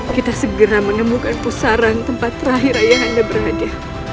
kita segera menemukan pusaran tempat terakhir ayah anda berada